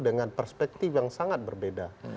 dengan perspektif yang sangat berbeda